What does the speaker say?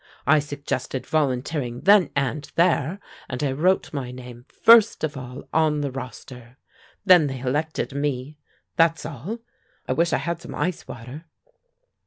I suggested volunteering then and there, and I wrote my name first of all on the roster. Then they elected me that's all. I wish I had some ice water!"